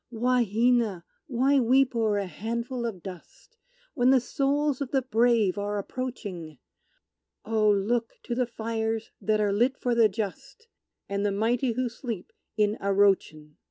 "Wahina, why weep o'er a handful of dust, When the souls of the brave are approaching? Oh, look to the fires that are lit for the just, And the mighty who sleep in Arrochin!"